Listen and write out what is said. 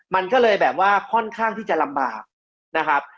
มันก็เลยแบบว่าค่อนข้างที่จะลำบากนะครับ